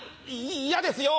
嫌ですよ。